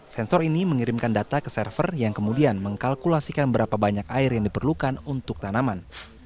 sensor ini mengirimkan data ke server yang kemudian mengkalkulasikan berapa banyak air yang diperlukan untuk tanaman